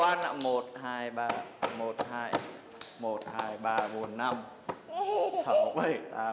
ê nha đây là cái đĩa để thịa